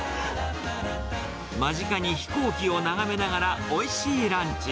間近に飛行機をながめながらおいしいランチ。